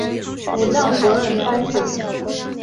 武藏国忍藩主。